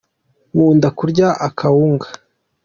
Nkunda kurya akawunga.